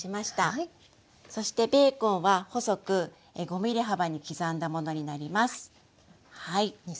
そしてベーコンは細く５ｍｍ幅に刻んだものになります。